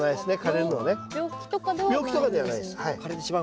病気とかではないんですね。